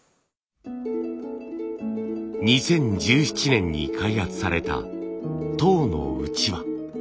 ２０１７年に開発された籐のうちわ。